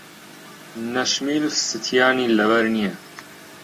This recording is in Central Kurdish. نەشمیل ستیانی لەبەر نییە.